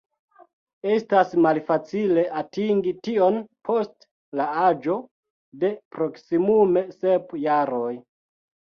Estas malfacile atingi tion post la aĝo de proksimume sep jaroj.